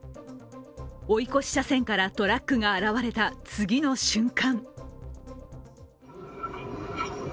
追い越し車線からトラックが現れた次の瞬間